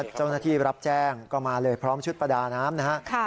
เจ้าหน้าที่รับแจ้งก็มาเลยพร้อมชุดประดาน้ำนะฮะ